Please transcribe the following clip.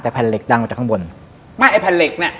แต่แผ่นเหล็กดังมาจากข้างบนไม่ไอ้แผ่นเหล็กเนี้ย